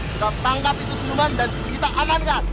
kita tangkap itu siluman dan kita anankan